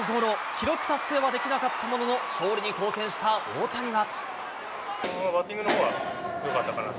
記録達成はできなかったものの、勝利に貢献した大谷は。